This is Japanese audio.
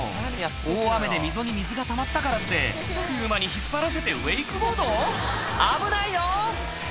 大雨で溝に水がたまったからって車に引っ張らせてウェイクボード⁉危ないよ！